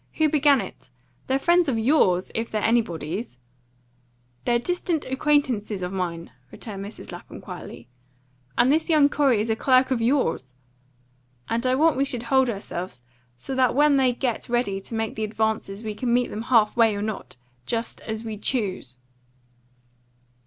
Who began it? They're friends of yours if they're anybody's." "They're distant acquaintances of mine," returned Mrs. Lapham quietly; "and this young Corey is a clerk of yours. And I want we should hold ourselves so that when they get ready to make the advances we can meet them half way or not, just as we choose."